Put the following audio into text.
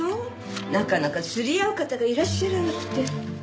なかなか釣り合う方がいらっしゃらなくて。